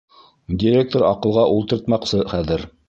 Директор аҡылға ултыртмаҡсы хәҙер.